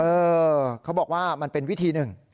เออเขาบอกว่ามันเป็นวิธีหนึ่ง